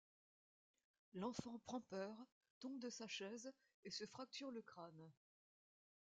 L'enfant prend peur, tombe de sa chaise et se fracture le crâne.